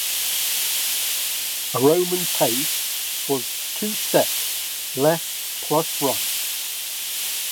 A Roman pace was two steps, left plus right.